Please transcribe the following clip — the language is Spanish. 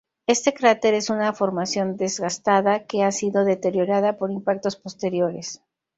Este cráter es una formación desgastada que ha sido deteriorada por impactos posteriores.